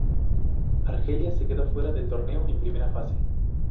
Argelia se quedó fuera del torneo en primera fase.